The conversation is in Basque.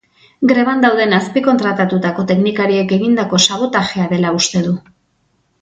Greban dauden azpikontratatutako teknikariek egindako sabotajea dela uste du enpresa multinazionalak.